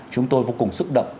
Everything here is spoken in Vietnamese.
chúng tôi vô cùng xúc động